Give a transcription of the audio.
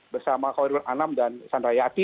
bersama khawirul alam dan sandra yati